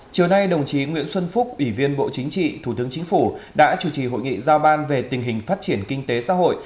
chiều nay đồng chí nguyễn xuân phúc ủy viên bộ chính trị thủ tướng chính phủ đã chủ trì hội nghị giao ban về tình hình phát triển kinh tế xã hội